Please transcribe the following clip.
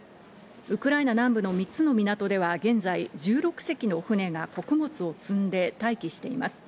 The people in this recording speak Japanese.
ウクライナ南部の３つの港では現在１６隻の船が穀物を積んで待機しています。